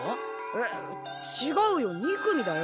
えっちがうよ２組だよ。